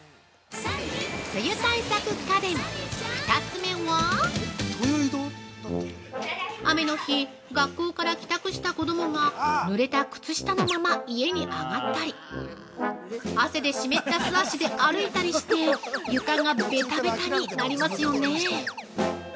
梅雨対策家電、２つ目は雨の日、学校から帰宅した子供がぬれた靴下のまま家に上がったり汗で湿った素足で歩いたりして床が、べたべたになりますよね。